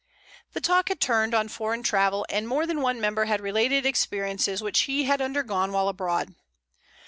The talk had turned on foreign travel, and more than one member had related experiences which he had undergone while abroad.